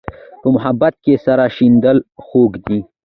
په محبت کې سر شیندل خوږ دي.